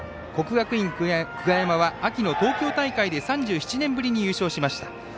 国学院久我山は秋の東京大会で３７年ぶりに優勝しました。